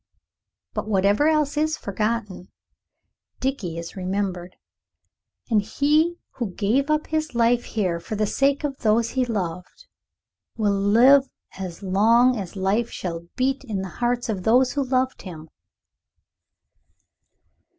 But whatever else is forgotten, Dickie is remembered. And he who gave up his life here for the sake of those he loved will live as long as life shall beat in the hearts of those who loved him.